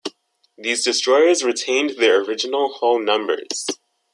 These destroyers retained their original hull numbers.